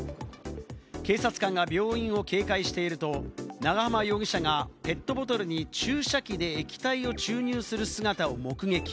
警察官が病院を警戒していると、長浜容疑者がペットボトルに注射器で液体を注入する姿を目撃。